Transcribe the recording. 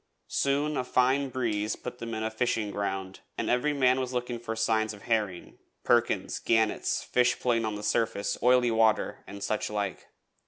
Soon a fine breeze put them in the fishing ground, and every man was looking out for signs of herring perkins, gannets, fish playing on the surface, oily water, and such like.